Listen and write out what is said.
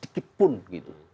dan sedikitpun gitu